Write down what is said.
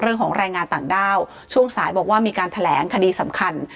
เรื่องของแรงงานต่างด้าวช่วงสายบอกว่ามีการแถลงคดีสำคัญ